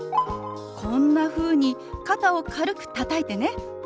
こんなふうに肩を軽くたたいてね。